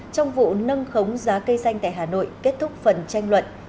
trong vụ nâng khống giá cây xanh tại hà nội kết thúc phần tranh luận